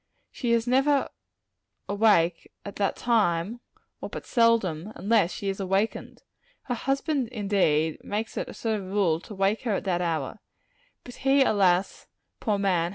She is never awake at that timer or but seldom, unless she is awakened. Her husband, indeed, makes it a sort of rule to wake her at that hour; but he, alas, poor man!